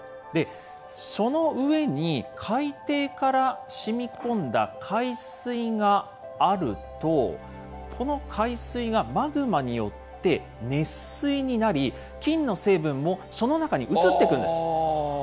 その上に、海底からしみこんだ海水があると、この海水がマグマによって熱水になり、金の成分もその中に移っていくんです。